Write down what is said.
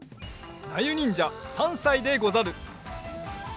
なゆにんじゃ３さいでござる。